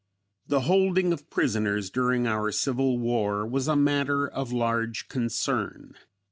The holding of prisoners during our civil war was a matter of large concern.